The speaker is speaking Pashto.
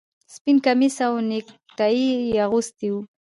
سپین کمیس او نیکټايي یې اغوستي وو